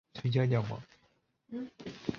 无人能取代您的基督教王国！